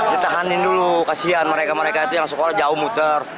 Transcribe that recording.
ditahanin dulu kasian mereka mereka itu yang sekolah jauh muter